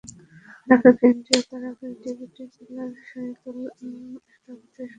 ঢাকা কেন্দ্রীয় কারাগারের deputy jailer Jahidul Alam এ তথ্যের সত্যতা নিশ্চিত করেছেন।